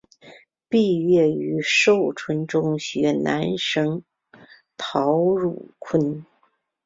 毕业于寿春中学男学生陶汝坤。